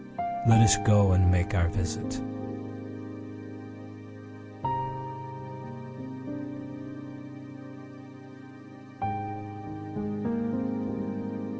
Let us go and make our visit.